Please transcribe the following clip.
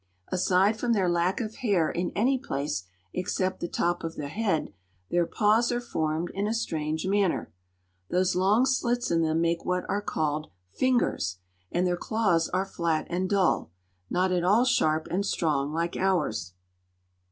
Aside from their lack of hair in any place except the top of the head, their paws are formed in a strange manner. Those long slits in them make what are called fingers, and their claws are flat and dull not at all sharp and strong like ours."